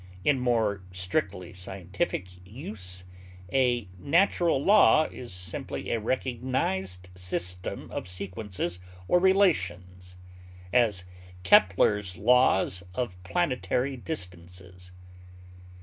In more strictly scientific use, a natural law is simply a recognized system of sequences or relations; as, Kepler's laws of planetary distances.